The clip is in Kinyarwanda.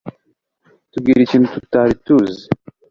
Tubwire ikintu tutari tuzi